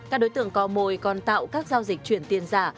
các đối tượng có mồi còn tạo các giao dịch chuyển tiền giả